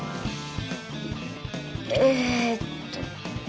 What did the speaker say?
えっと